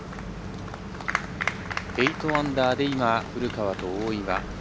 ８アンダーで今、古川と大岩。